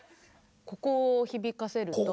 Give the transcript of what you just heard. ここを響かせると。